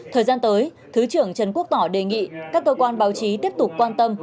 thời gian tới thứ trưởng trần quốc tỏ đề nghị các cơ quan báo chí tiếp tục quan tâm